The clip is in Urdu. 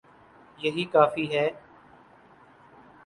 یہی کافی ہے۔